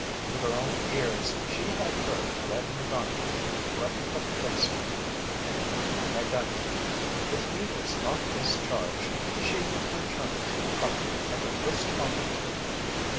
With her own ears she had heard "Red" McGonnigle threaten to "fix" her, and he had done it. If he was not discharged she would return to Prouty at the first opportunity.